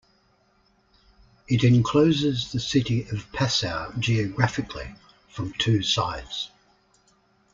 It encloses the city of Passau geographically from two sides.